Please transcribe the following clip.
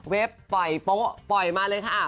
ปล่อยโป๊ะปล่อยมาเลยค่ะ